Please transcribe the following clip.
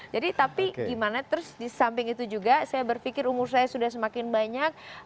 jadi tapi gimana terus disamping itu juga saya berpikir umur saya sudah semakin banyak